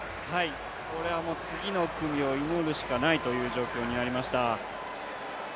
これはもう次の組を祈るしかないという状況になりました。